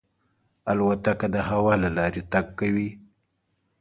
الوتکه د هوا له لارې تګ کوي.